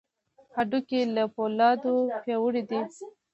هډوکي له فولادو پیاوړي دي.